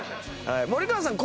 森川さん